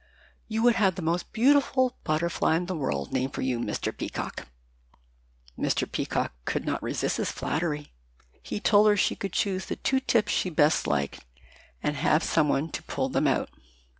You would have the most beautiful butterfly in the world named for you, Mr. Peacock!" Mr. Peacock could not resist this flattery. He told her she could choose the two tips she best liked and have some one to pull them out.